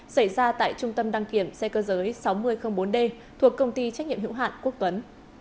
xảy ra tại trung tâm đăng kiểm xe cơ giới sáu nghìn bốn d thuộc công ty trách nhiệm hữu hạn quốc tuấn